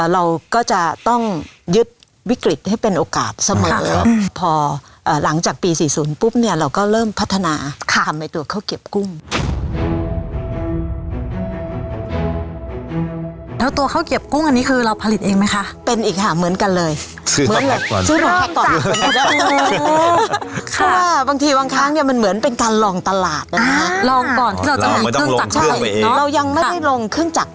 เราก็จะต้องยึดวิกฤตให้เป็นโอกาสเสมอพอหลังจากปีสี่ศูนย์ปุ๊บเนี่ยเราก็เริ่มพัฒนาค่ะทำให้ตัวข้าวเกียบกุ้งแล้วตัวข้าวเกียบกุ้งอันนี้คือเราผลิตเองไหมคะเป็นอีกค่ะเหมือนกันเลยเหมือนกันค่ะบางทีบางครั้งเนี่ยมันเหมือนเป็นการลองตลาดลองก่อนเราจะไม่ต้องลงเครื่องไปเองเรายังไม่ได้ลงเครื่องจัก